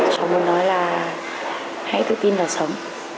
cháu muốn nói là hãy tự tin vào sống